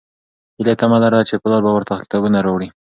هیلې تمه لرله چې پلار به ورته کتابونه راوړي.